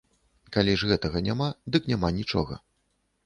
Калі ж гэтага няма, дык няма нічога.